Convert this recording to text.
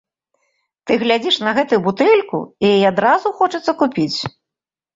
Ты глядзіш на гэтую бутэльку, і яе адразу хочацца купіць.